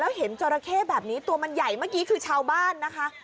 เห็นจราเข้แบบนี้ตัวมันใหญ่เมื่อกี้คือชาวบ้านนะคะ